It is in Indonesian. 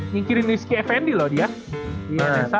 ngikirin rizky fnd loh dia di nsa